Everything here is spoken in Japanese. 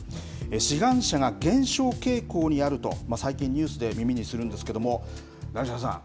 志願者が減少傾向にあると最近、ニュースで耳にするんですが成澤さん